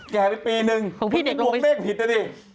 แก่ไปปีนึงมันเป็นตัวเบ้กผิดเลย